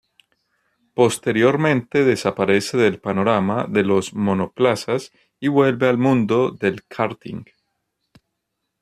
Posteriormente desaparece del panorama de los monoplazas y vuelve al mundo del karting.